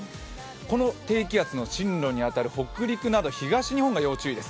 この低気圧の進路に当たる北陸など東日本が要注意です。